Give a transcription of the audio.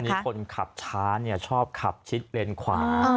วันนี้คนขับช้าเนี่ยชอบขับชิดเลนส์ขวา